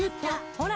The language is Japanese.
「ほら！」